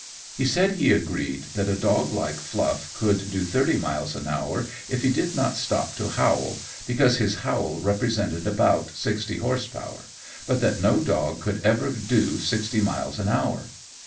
He said he agreed that a dog like Fluff could do thirty miles an hour if he did not stop to howl, because his howl represented about sixty horse power, but that no dog could ever do sixty miles an hour.